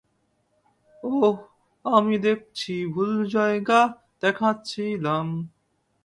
ওহ, আমি দেখছি ভুল জায়গা দেখাচ্ছিলাম।